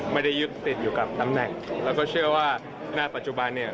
ไม่ได้ยึดติดอยู่กับตำแหน่งแล้วก็เชื่อว่าณปัจจุบันเนี่ย